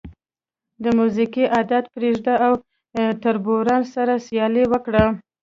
د موزیګي عادت پرېږده او تربورانو سره سیالي وکړه.